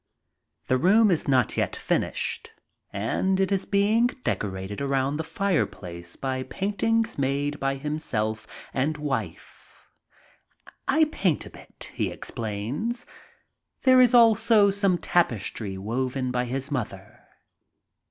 The room is not yet finished, and it is being decorated around the fireplace by paintings made by himself and wife. "I paint a bit," he explains. There is also some tapestry woven by his mother.